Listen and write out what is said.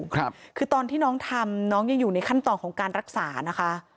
คือตอนที่น้องทำน้องยังอยู่ในขั้นตอนของการรักษานะคะ